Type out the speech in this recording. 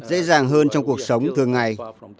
và nên dễ dàng hơn trong cuộc sống thường ngày